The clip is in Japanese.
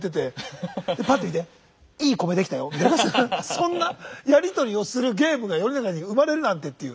そんなやり取りをするゲームが世の中に生まれるなんてっていう。